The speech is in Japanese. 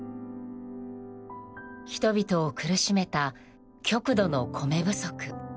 人々を苦しめた極度の米不足。